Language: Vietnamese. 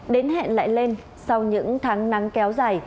đến hẹn lại lên sau những tháng nắng kéo dài